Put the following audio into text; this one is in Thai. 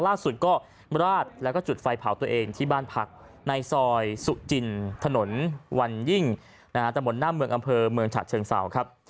ล่าสุดก็ราดแล้วก็จุดไฟเผาตัวเองที่บ้านพักในซอยสุจินถนนวันยิ่งตะบนหน้าเมืองอำเภอเมืองฉะเชิงเศร้าครับ